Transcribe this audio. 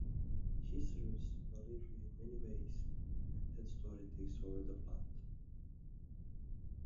He serves Valeria in many ways, and that story takes over the plot.